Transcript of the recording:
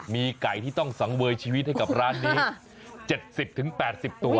มีไก่ที่ต้องสังเวยชีวิตให้กับร้านนี้๗๐๘๐ตัว